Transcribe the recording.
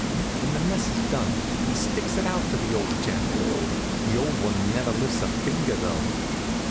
When the mess is done he sticks it out to the old gent. The old one never lifts a finger, though.